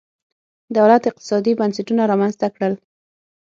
دولت اقتصادي بنسټونه رامنځته کړل.